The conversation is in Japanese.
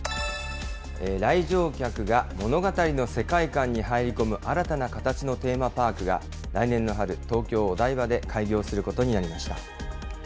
来場客が物語の世界観に入り込む新たな形のテーマパークが、来年の春、東京・お台場で開業することになりました。